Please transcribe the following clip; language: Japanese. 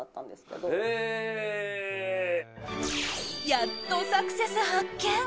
やっとサクセス発見！